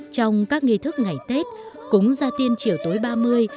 trong các nghi thức ngày tết cúng gia tiên chiều tối ba mươi